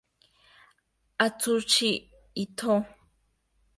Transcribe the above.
Atsushi Itō